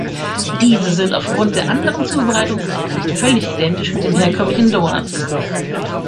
Diese sind auf Grund der anderen Zubereitungsart nicht völlig identisch mit herkömmlichen Donuts.